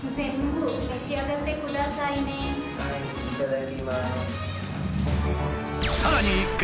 はいいただきます。